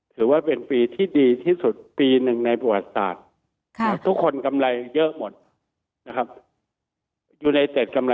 ถือว่าเป็นปีที่ดีที่สุดปีหนึ่งในประวัติศาสตร์ทุกคนกำไรเยอะหมดนะครับ